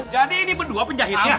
jadi ini berdua penjahit ya